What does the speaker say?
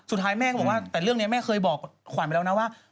สุดท้ายแม่ก็บอกว่าแต่เรื่องนี้แม่เคยบอกขวัญไปแล้วนะว่า